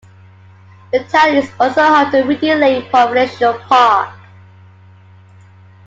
The town is also home to Windy Lake Provincial Park.